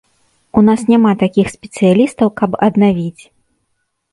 У нас няма такіх спецыялістаў, каб аднавіць.